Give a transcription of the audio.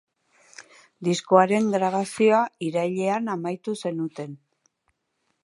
Diskoaren grabazioa irailean amaitu zenuten.